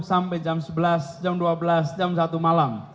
sampai jam sebelas jam dua belas jam satu malam